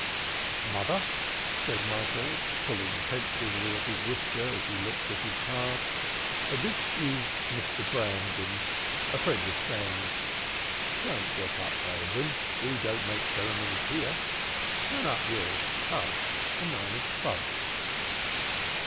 "Mother," said Michael, pulling pensively at his whisker as he looked at his card. "This is Mr. Brandon, a friend of Sam's. Don't get up, Brandon, we don't make ceremonies here. Turn up yours ah, the nine of trumps."